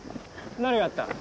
何があった？